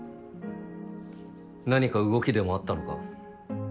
何か動きでもあったのか。